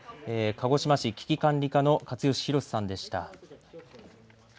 鹿児島市危機管理課の勝吉洋さんでした。